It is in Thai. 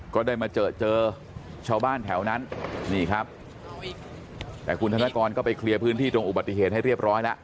ก็ได้มาเจอเจอชาวบ้านแถวนั้นนี่ครับแต่คุณธนกรก็ไปเคลียร์พื้นที่ตรงอุบัติเหตุให้เรียบร้อยแล้ว